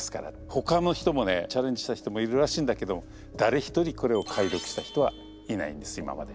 ほかの人もねチャレンジした人もいるらしいんだけど誰一人これを解読した人はいないんです今まで。